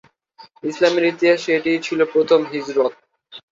ইসলামের ইতিহাসে এটাই ছিল "প্রথম হিজরত"।